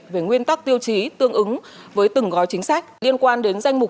về nguyên tắc tiêu chí tương ứng với từng gói chính sách liên quan đến danh mục